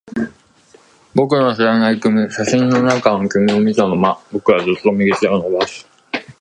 僕の知らない君。写真の中の君を見たまま、僕はすっと右手を伸ばす。